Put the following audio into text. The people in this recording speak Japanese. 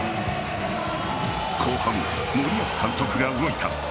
後半、森保監督が動いた。